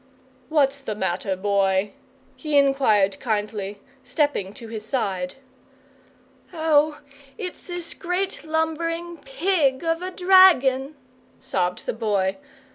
"What's the matter, Boy?" he inquired kindly, stepping to his side. "Oh, it's this great lumbering PIG of a dragon!" sobbed the Boy.